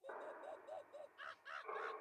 হবো না, হবো না, কথা দিচ্ছি।